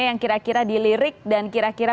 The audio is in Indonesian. yang kira kira dilirik dan kira kira